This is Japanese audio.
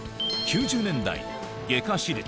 ９０年代外科手術